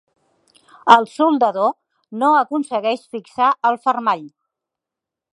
El soldador no aconsegueix fixar el fermall.